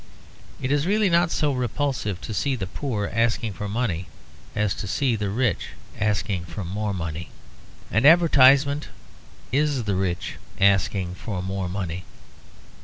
It is really not so repulsive to see the poor asking for money as to see the rich asking for more money. And advertisement is the rich asking for more money.